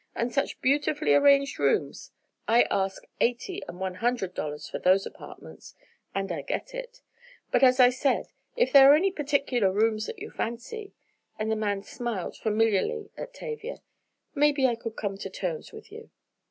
And such beautifully arranged rooms! I ask eighty and one hundred dollars for those apartments, and I get it. But, as I said, if there are any particular rooms that you fancy," the man smiled familiarly at Tavia, "maybe I could come to terms with you."